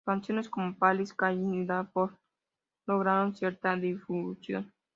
Canciones como "Paris Calling" y "Bad for Each Other" lograron cierta difusión.